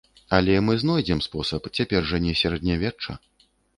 Але мы знойдзем спосаб, цяпер жа не сярэднявечча.